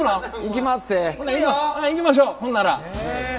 行きましょうほんなら。